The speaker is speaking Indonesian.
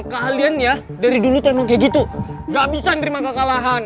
kalian ya dari dulu tolong kayak gitu gak bisa nerima kekalahan